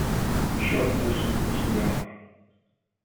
Shawn Nelson was the winner.